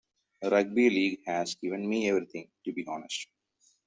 Rugby league has given me everything, to be honest.